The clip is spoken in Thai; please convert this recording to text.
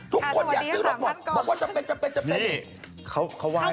ทุกคนอยากซื้อรถหมดบอกว่าจะไปนี่เขาไหว้แล้ว